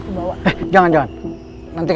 aku mau pergi ke rumah